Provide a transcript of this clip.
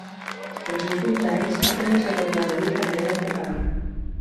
Els últims anys, ha començat a traduir també del català.